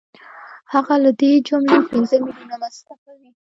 هغه له دې جملې پنځه میلیونه مصرفوي